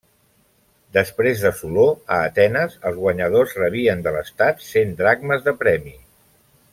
Després de Soló, a Atenes els guanyadors rebien de l'estat cent dracmes de premi.